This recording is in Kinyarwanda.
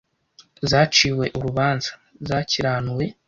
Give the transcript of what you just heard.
Zaciwe urubanza: Zakiranuwe.